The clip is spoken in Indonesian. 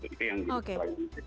itu yang wujud lainnya